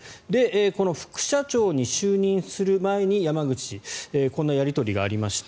この副社長に就任する前に山口氏こんなやり取りがありました。